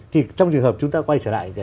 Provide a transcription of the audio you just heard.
thì trong trường hợp chúng ta quay trở lại